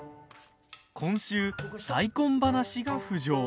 今週、再婚話が浮上。